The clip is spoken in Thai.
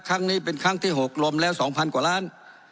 ครั้งนี้เป็นครั้งที่๖รวมแล้ว๒๐๐กว่าล้าน